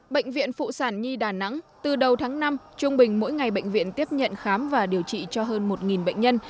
bệnh viện phụ sản nhi đà nẵng từ đầu tháng năm trung bình mỗi ngày bệnh viện tiếp nhận khám và điều trị cho hơn một bệnh nhân